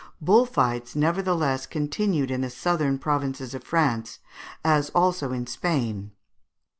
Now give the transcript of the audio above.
Bull fights, nevertheless, continued in the southern provinces of France, as also in Spain.